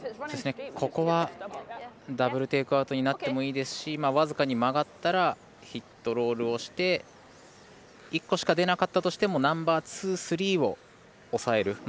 ここはダブル・テイクアウトになってもいいですし僅かに曲がったらヒットロールをして１個しか出なかったとしてもナンバーツー、スリーを押さえる。